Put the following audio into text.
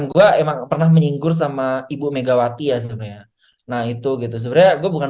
jujurullah emang pernah menyinggur sama ibomegawati ya sebenernya nah itu gitu sebenernya gue bukan